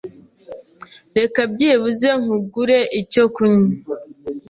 Reka byibuze nkugure icyo kunywa.